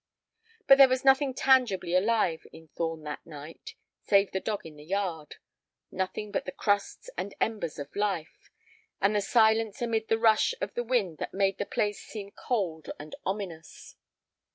But there was nothing tangibly alive in Thorn that night, save the dog in the yard; nothing but the crusts and embers of life, and a silence amid the rush of the wind that made the place seem cold and ominous.